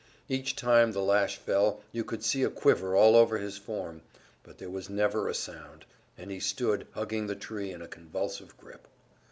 Each time the lash fell you could see a quiver all over his form; but there was never a sound, and he stood, hugging the tree in a convulsive grip.